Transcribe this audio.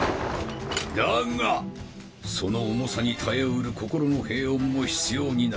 だがその重さに耐えうる心の平穏も必要になる。